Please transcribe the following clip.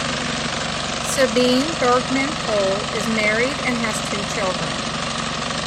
Sabine Bergmann-Pohl is married and has two children.